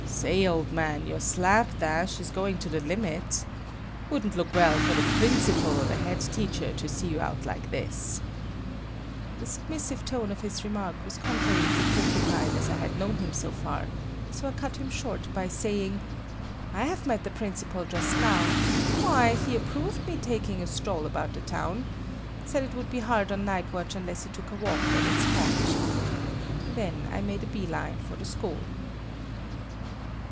"Say, old man, your slap dash is going to the limit. Wouldn't look well for the principal or the head teacher to see you out like this." The submissive tone of his remark was contrary to Porcupine as I had known him so far, so I cut him short by saying: "I have met the principal just now. Why, he approved my taking a stroll about the town. Said it would be hard on night watch unless he took a walk when it is hot." Then I made a bee line for the school.